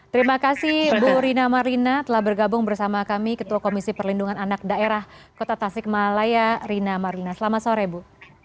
terima kasih bu rina marina telah bergabung bersama kami ketua komisi perlindungan anak daerah kota tasik malaya rina marina selamat sore bu